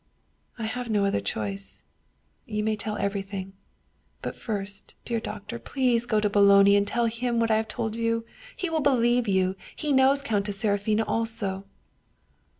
" I have no other choice; you may tell everything. But first, dear doctor, please go to Boloni and tell him what I have told you. He will believe you; he knows Countess Seraphina also."